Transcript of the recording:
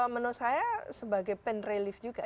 menurut saya sebagai pen relief juga